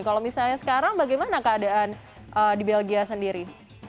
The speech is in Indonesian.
kalau misalnya sekarang bagaimana keadaan di belgia sendiri